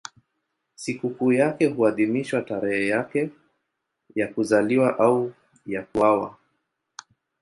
Sikukuu yake huadhimishwa tarehe yake ya kuzaliwa au ya kuuawa.